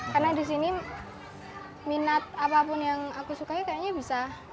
karena disini minat apapun yang aku sukai kayaknya bisa